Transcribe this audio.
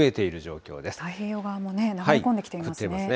太平洋側も流れ込んできてい降っていますね。